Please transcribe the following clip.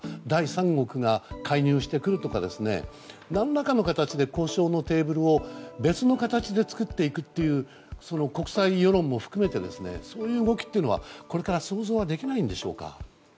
第三国が介入してくるとか何らかの形で交渉のテーブルを別の形で作っていくという国際世論も含めてそういう動きというのはこれから想像はできないんでしょうか。